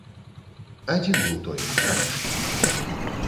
Адзін быў той, ранішні.